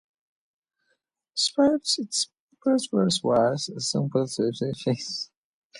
Despite its importance, water supply faces numerous challenges globally.